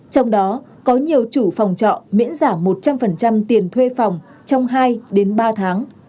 trong đó có nhiều chủ phòng trọ miễn giảm một trăm linh tiền thuê phòng trong hai ba tháng